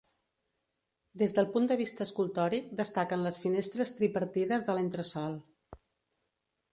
Des del punt de vista escultòric, destaquen les finestres tripartides de l'entresòl.